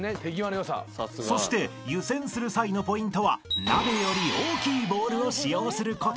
［そして湯煎する際のポイントは鍋より大きいボウルを使用すること］